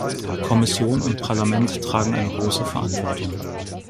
Kommission und Parlament tragen eine große Verantwortung.